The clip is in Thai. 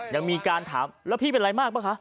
ยังมีการถามแล้วพี่เป็นอะไรมากป่ะคะ